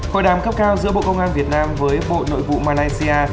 hội đàm cấp cao giữa bộ công an việt nam với bộ nội vụ malaysia